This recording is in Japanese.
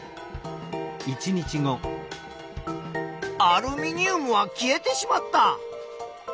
アルミニウムは消えてしまった。